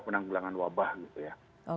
penanggulangan wabah gitu ya